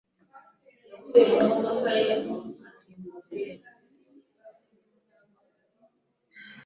Navunitse ukuguru ahantu habiri mugihe habaye umukino wo gusiganwa ku maguru.